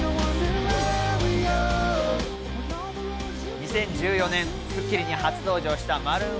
２０１４年『スッキリ』に初登場したＭａｒｏｏｎ